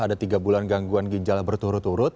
ada tiga bulan gangguan ginjal berturut turut